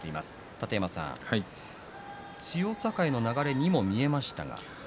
楯山さん、千代栄の流れにも見えました。